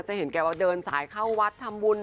จะเห็นแกว่าเดินสายเข้าวัดทำบุญ